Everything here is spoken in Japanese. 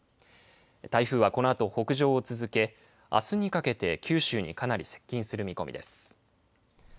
台風は、このあと北上を続けあすにかけて九州にかなり接近する見込みです。